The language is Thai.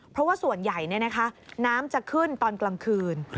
เพราะว่าส่วนใหญ่น้ำจะขึ้นตอนกลางคืน